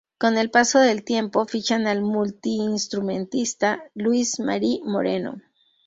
Con el paso del tiempo fichan al multiinstrumentista Luis Mari Moreno.